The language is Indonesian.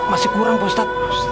masih kurang ustadz